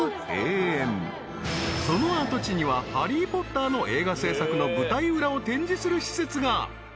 ［その跡地には『ハリー・ポッター』の映画製作の舞台裏を展示する施設が］